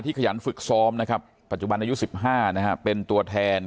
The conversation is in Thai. ที่ขยันฝึกซอมนะครับปัจจุบันอายุสิบห้านะครับเป็นตัวแทน